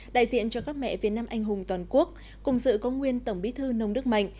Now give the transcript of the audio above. đại diện cho các mẹ việt nam anh hùng toàn quốc cùng dự có nguyên tổng bí thư nông đức mạnh